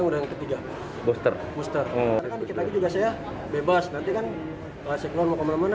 dikit lagi juga saya bebas nanti kan kalau saya keluar mau kemana mana